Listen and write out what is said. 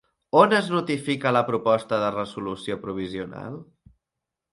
On es notifica la proposta de resolució provisional?